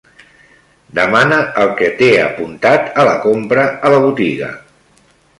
Demana el que t'he apuntat a la compra a la botiga.